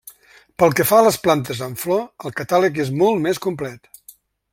Pel que fa a les plantes amb flor, el catàleg és molt més complet.